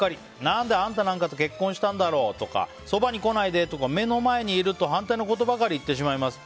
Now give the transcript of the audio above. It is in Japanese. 何であんたなんかと結婚したんだろうとかそばに来ないでとか目の前にいると反対のことばかり言ってしまいます。